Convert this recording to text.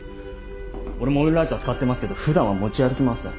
俺もオイルライター使ってますけど普段は持ち歩きません。